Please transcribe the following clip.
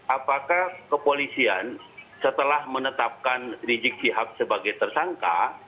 apakah kepolisian setelah menetapkan rizik sihab sebagai tersangka